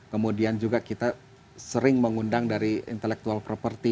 kemudian juga kita sering mengundang dari intellectual property